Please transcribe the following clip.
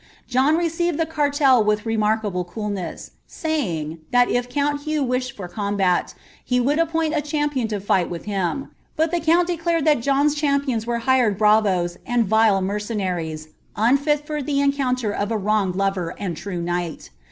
lohn received the cartel with remarkable coolness, saying, that if count Hngh wished for combat, he would appoint a cliampion to fight witli him ; but the count declared that John's champions were hired bravoes nd vile mercenaries, unfit for the encounter of a wronged lover and Irae knight.